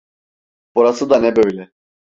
Burası da ne böyle?